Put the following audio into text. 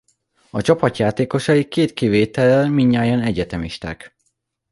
A csapat játékosai két kivétellel mindnyájan egyetemisták.